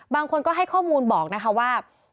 บางคนก็ให้ข้อมูลบอกนะคะว่า